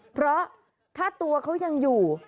เพราะถ้าตัวเขายังอยู่